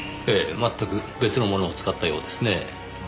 全く別のものを使ったようですねぇ。